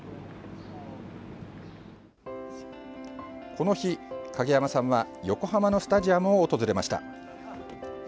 この日、影山さんは横浜のスタジアムを訪れました。